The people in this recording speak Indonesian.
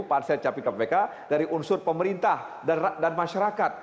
pansel capi kpk dari unsur pemerintah dan masyarakat